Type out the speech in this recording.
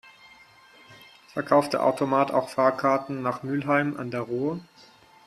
Verkauft der Automat auch Fahrkarten nach Mülheim an der Ruhr?